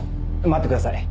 待ってください。